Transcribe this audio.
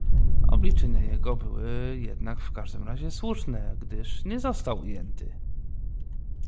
"Obliczenia jego były jednak w każdym razie słuszne, gdyż nie został ujęty."